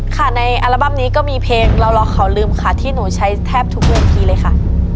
ค่ะในอัลบั้มนี้ก็มีเพลงรอเขาลืมค่ะที่หนูใช้แทบทุกเวทีเลยค่ะ